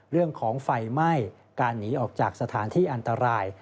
เรื่องของไฟไหม้การหนีออกจากสถานที่อันตราย